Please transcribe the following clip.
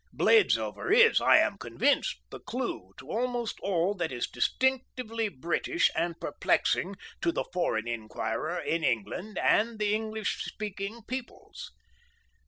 Bladesover is, I am convinced, the clue to almost all that is distinctively British and perplexing to the foreign inquirer in England and the English speaking peoples.